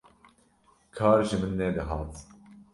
kar ji min nedihat